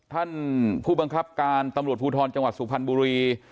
ท่านผู้บังคับการตำรวจภูทรจังหวัดสุพรรณบุรี